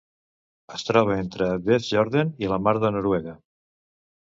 Es troba entre Vestfjorden i la Mar de Noruega.